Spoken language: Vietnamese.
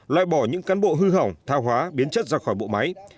loại bỏ những cán bộ hư hỏng thao hóa biến chất ra khỏi bộ máy